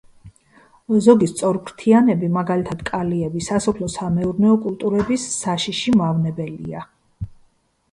ზოგი სწორფრთიანები, მაგალითად კალიები, სასოფლო-სამეურნეო კულტურების საშიში მავნებელია.